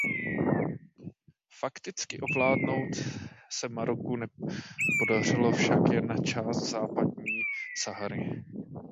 Fakticky ovládnout se Maroku podařilo však jen část Západní Sahary.